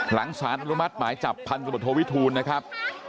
หลังสารอนุมัติหมายจับพันธบทโทวิทูลนะครับ